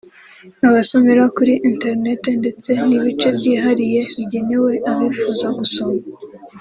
abasomera kuri internet ndetse n’ibice byihariye bigenewe abifuza gusoma